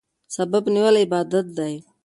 سبب نیول عبادت دی.